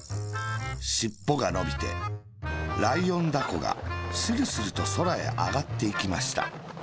しっぽがのびてライオンだこがスルスルとそらへあがっていきました。